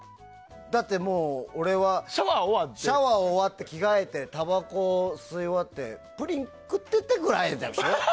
だって俺はシャワー終わって着替えて、たばこ吸い終わってプリン食っててぐらいだったでしょ。